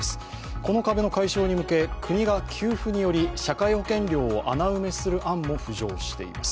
この壁の解消に向け国が給付により社会保険料を穴埋めする案も浮上しています。